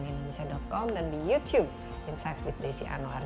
juga anda saksikan di cnnindonesia com dan di youtube insight with desy anwar